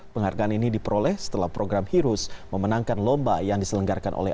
penghargaan ini diperoleh setelah program hirus memenangkan lomba yang diselenggarakan oleh